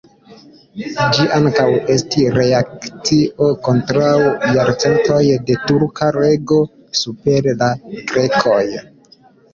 Ĝi ankaŭ estis reakcio kontraŭ jarcentoj de turka rego super la grekoj.